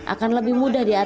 akan lebih mudah dikendali